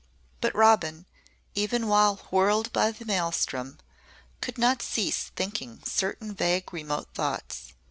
But Robin, even while whirled by the maelstrom, could not cease thinking certain vague remote thoughts.